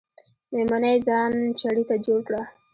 میمونۍ ځان چړې ته جوړ که